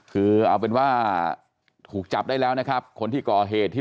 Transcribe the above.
คือเอาเป็นว่าถูกจับได้แล้วนะครับคนที่ก่อเหตุที่